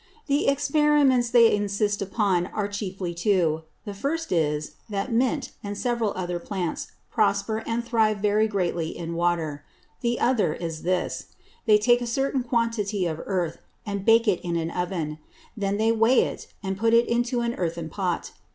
The Experiments they insist upon are chiefly two; the first is, that Mint, and several other Plants prosper and thrive very greatly in Water. The other is this; they take a certain quantity of Earth, and bake it in an Oven; then they weigh it, and put it into an Earthen Pot.